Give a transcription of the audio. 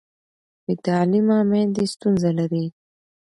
بې تعلیمه میندې ستونزه لري.